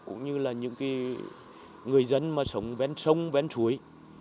cũng như là những người dân mà sống bên sông bên suối